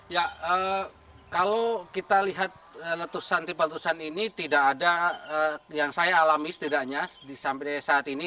ya kalau kita lihat letusan tipe letusan ini tidak ada yang saya alami setidaknya sampai saat ini